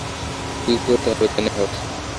কী করতে হবে তাই নিয়ে ভাবছি।